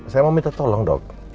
saya mau minta tolong dok